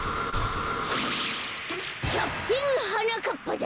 キャプテンはなかっぱだ！